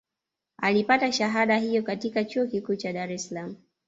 Alipata shahada hiyo katika Chuo Kikuu cha Dare es Salaam